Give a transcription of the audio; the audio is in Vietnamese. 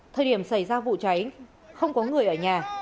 thời điểm xảy ra vụ cháy không có người ở nhà